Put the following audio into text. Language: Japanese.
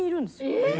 えっ！